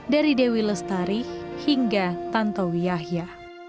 dari dewi lestari hingga tantowi yahya